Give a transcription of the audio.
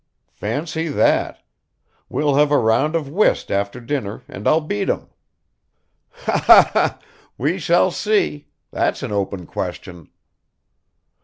"Fancy that. We'll have a round of whist after dinner and I'll beat him." "Ha! ha! ha! we shall see; that's an open question."